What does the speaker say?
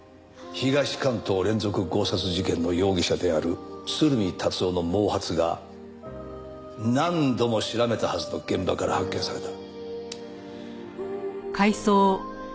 東関東連続強殺事件の容疑者である鶴見達男の毛髪が何度も調べたはずの現場から発見された。